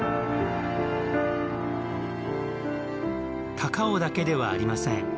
高雄だけではありません。